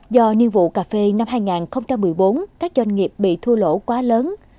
do niên vụ cà phê năm hai nghìn một mươi bốn các doanh nghiệp bị thu lỗ quá lớn